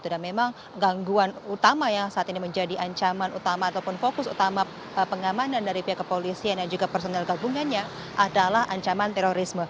memang gangguan utama yang saat ini menjadi ancaman utama ataupun fokus utama pengamanan dari pihak kepolisian dan juga personel gabungannya adalah ancaman terorisme